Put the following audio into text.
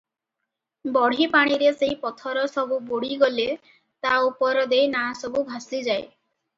ବଢ଼ିପାଣିରେ ସେହି ପଥର ସବୁ ବୁଡ଼ିଗଲେ ତା ଉପର ଦେଇ ନାଆସବୁ ଭାସିଯାଏ ।